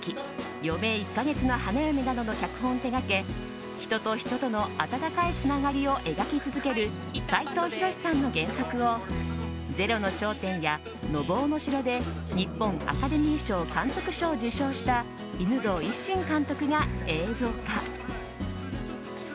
「余命１ヵ月の花嫁」などの脚本を手がけ人と人との温かいつながりを描き続ける斉藤ひろしさんの原作を「ゼロの焦点」や「のぼうの城」で日本アカデミー賞監督賞を受賞した犬童一心監督が映像化。